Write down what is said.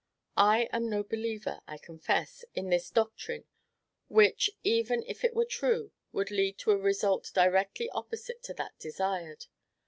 I am no believer, I confess, in this doctrine; which, even if it were true, would lead to a result directly opposite to that desired.